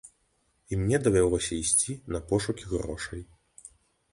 І мне давялося ісці на пошукі грошай.